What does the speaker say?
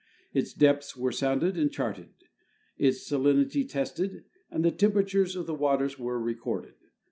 Its depths were sounded and charted, its salinity tested, and the temperatures of its waters were recorded.